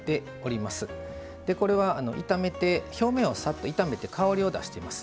これは表面をさっと炒めて香りを出しています。